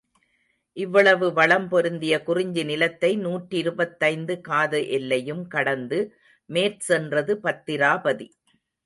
இவ்வளவு வளம் பொருந்திய குறிஞ்சி நிலத்தை நூற்றிருபத்தைந்து காத எல்லையும் கடந்து மேற்சென்றது பத்திராபதி.